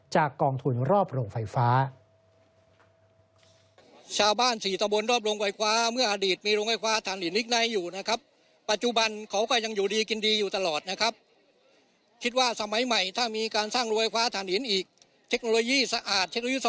กองทุนรอบโรงไฟฟ้า